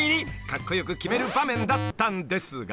［カッコ良く決める場面だったんですが］